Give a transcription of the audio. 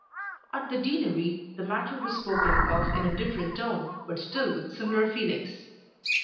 At the Deanery the matter was spoken of in a different tone but still with similar feelings.